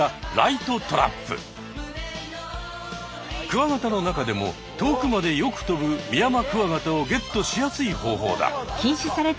クワガタの中でも遠くまでよく飛ぶミヤマクワガタをゲットしやすい方法だ。